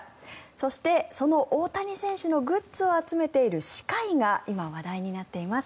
そしてその大谷選手のグッズを集めている歯科医が今、話題になっています。